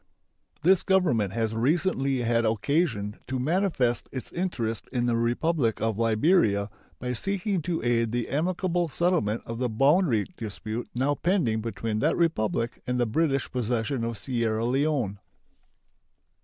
This Government has recently had occasion to manifest its interest in the Republic of Liberia by seeking to aid the amicable settlement of the boundary dispute now pending between that Republic and the British possession of Sierra Leone.